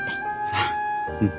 ああうん。